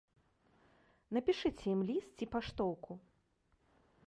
Напішыце ім ліст ці паштоўку!